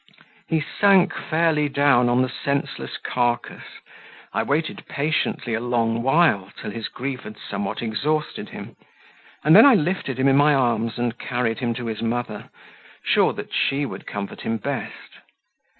He sank fairly down on the senseless carcase; I waited patiently a long while, till his grief had somewhat exhausted him; and then I lifted him in my arms and carried him to his mother, sure that she would comfort him best.